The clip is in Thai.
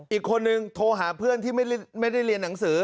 อีกคนนึงโทรหาเพื่อนที่ไม่ได้เรียนหนังสือ